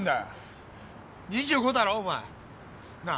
２５だろお前なぁ。